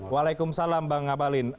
waalaikumsalam bang ngabalin